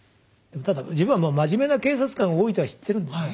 ただ自分は真面目な警察官が多いとは知ってるんですね。